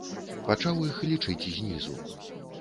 Пачаў іх лічыць знізу.